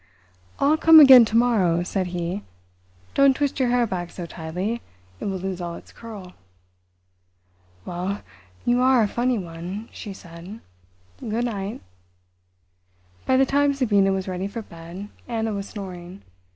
"I'll come again to morrow," said he. "Don't twist your hair back so tightly; it will lose all its curl." "Well, you are a funny one," she said. "Good night." By the time Sabina was ready for bed Anna was snoring.